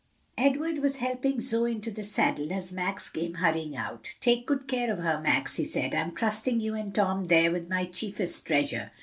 Edward was helping Zoe into the saddle as Max came hurrying out. "Take good care of her, Max," he said, "I'm trusting you and Tom there with my chiefest treasure."